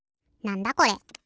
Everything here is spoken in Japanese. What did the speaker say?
なんだこれ？